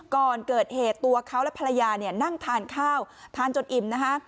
ก่อนเกิดเหตุตัวเขาและภรรยาเนี่ยนั่งทานข้าวทานจนอิ่มนะคะ